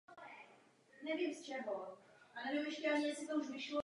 Ve filmu jí ztvárnila Fiona Shaw.